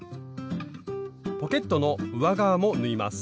ポケットの上側も縫います。